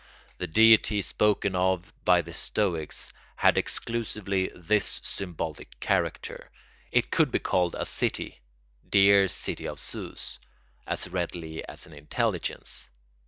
The deity spoken of by the Stoics had exclusively this symbolic character; it could be called a city—dear City of Zeus—as readily as an intelligence.